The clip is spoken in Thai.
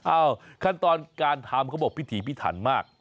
ขั้นตอนการทำเขาบอกพิถีพิถันมาก